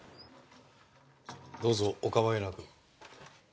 どうぞお構いなく。